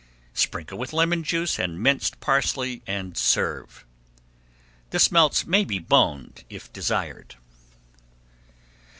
Sprinkle with lemon juice and minced parsley and serve. The smelts may be boned if desired.